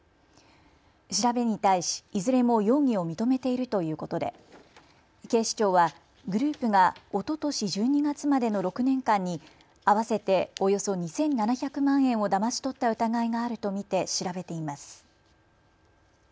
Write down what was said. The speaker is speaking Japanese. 調べに対しいずれも容疑を認めているということで警視庁はグループがおととし１２月までの６年間に合わせておよそ２７００万円をだまし取った疑いがあると見て調べています。